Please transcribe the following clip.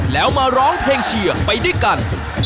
แล้วมาร้องเพลงเชียร์ไปด้วยกัน